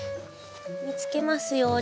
見つけますように。